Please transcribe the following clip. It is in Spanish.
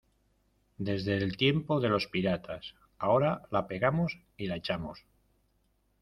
desde el tiempo de los piratas. ahora la pegamos y la echamos